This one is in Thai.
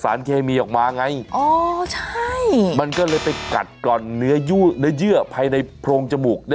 โอ้โหน่ากลัวมาก